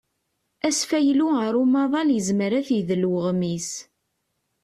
Asfaylu ar umaḍal yezmer ad t-idel uɣmis.